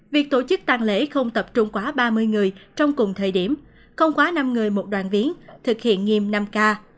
việc tổ chức tăng lễ không tập trung quá ba mươi người trong cùng thời điểm không quá năm người một đoàn viên thực hiện nghiêm năm k